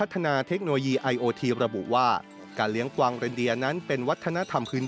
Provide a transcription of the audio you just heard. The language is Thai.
แต่ในวันนี้ผู้เลี้ยงกวางเรนเดียมีความทรังสมัยมากขึ้น